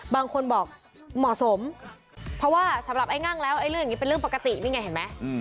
บางคนบอกเหมาะสมเพราะว่าสำหรับไอ้งั่งแล้วไอ้เรื่องอย่างนี้เป็นเรื่องปกตินี่ไงเห็นไหม